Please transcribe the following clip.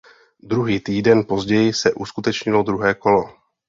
Druhý týden později se uskutečnilo druhé kolo.